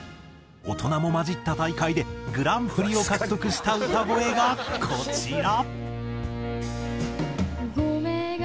大人も交じった大会でグランプリを獲得した歌声がこちら。